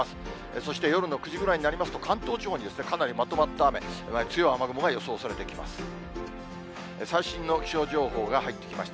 そして夜の９時ぐらいになりますと、関東地方にかなりまとまった雨、強い雨雲が予想されてきます。